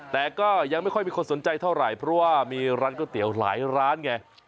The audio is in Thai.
แต่ก็ยังไม่ค่อยมีคนสนใจเท่าไหร่เพราะว่ามีร้านก๋วยเตี๋ยวหลายร้านไง